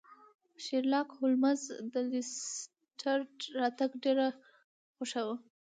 شیرلاک هولمز د لیسټرډ راتګ ډیر خوښاوه.